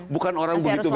bukan orang begitu bebas